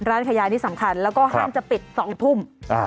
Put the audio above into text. ร้านขายยานี่สำคัญแล้วก็ห้างจะปิด๒ทุ่ม